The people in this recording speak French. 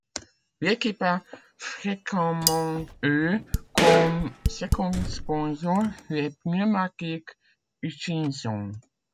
L'équipe a fréquemment eu, comme second sponsor, les pneumatiques Hutchinson.